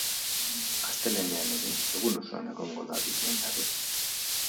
Astelehenean ere egun osoan egongo da abisua indarrean.